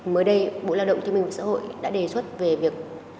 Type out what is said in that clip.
mới đây bộ lao động thương minh và xã hội đã đề xuất về việc